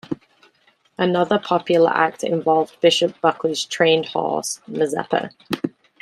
Another popular act involved Bishop Buckley's trained horse, Mazeppa.